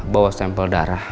bawa sampel darah